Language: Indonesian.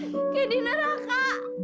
kayak di neraka